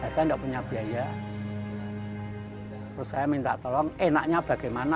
saya enggak punya biaya terus saya minta tolong enaknya bagaimana